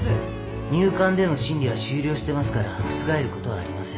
入管での審理は終了してますから覆ることはありません。